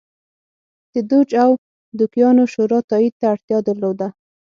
د دوج او دوکیانو شورا تایید ته اړتیا درلوده